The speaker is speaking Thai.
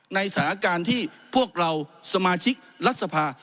ในสถานการณ์ที่พวกเราสมาชิกรัฐสภา